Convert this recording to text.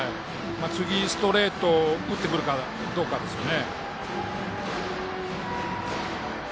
次、ストレートを打ってくるかどうかですね。